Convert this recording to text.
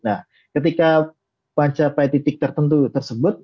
nah ketika mencapai titik tertentu tersebut